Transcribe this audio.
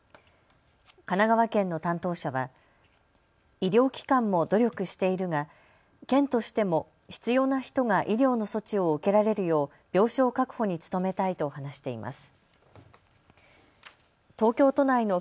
神奈川県の担当者は医療機関も努力しているが県としても必要な人が医療の措置を受けられるよう病床確保に努めたいと話しています。